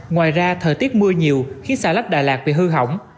ngoài ra thời tiết mưa nhiều khiến xà lách đà lạt bị hư hỏng